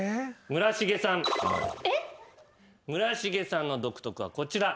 村重さんの「独特」はこちら。